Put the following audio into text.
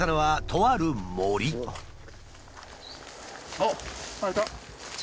あっいた！